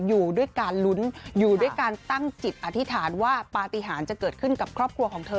อยู่ด้วยการลุ้นอยู่ด้วยการตั้งจิตอธิษฐานว่าปฏิหารจะเกิดขึ้นกับครอบครัวของเธอ